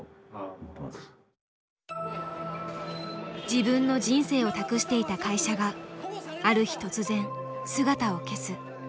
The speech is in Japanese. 自分の人生を託していた会社がある日突然姿を消す。